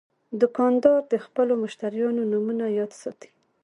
دوکاندار د خپلو مشتریانو نومونه یاد ساتي.